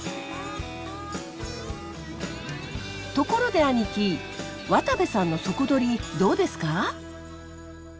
ところで兄貴渡部さんの底取りどうですか？